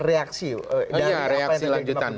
reaksi iya reaksi lanjutan